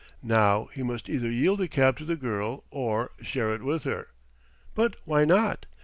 Now he must either yield the cab to the girl or share it with her.... But why not?